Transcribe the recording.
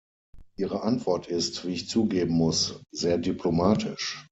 Ihre Antwort ist, wie ich zugeben muss, sehr diplomatisch.